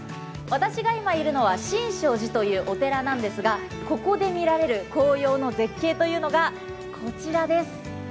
私が今いるのは神勝寺というお寺なんですがここで見られる紅葉の絶景というのが、こちらです。